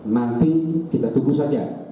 nanti kita tunggu saja